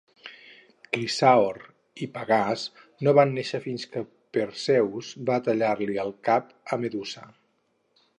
Crisàor i Pegàs no van néixer fins que Perseus va tallar-li el cap a Medusa.